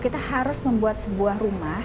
iya dari komunitas jabar bergerak